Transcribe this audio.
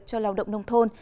cho lao động nông thôn